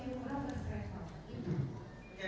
sudah tahu semua